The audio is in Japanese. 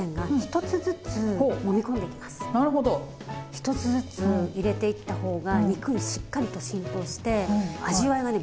１つずつ入れていった方が肉にしっかりと浸透して味わいがね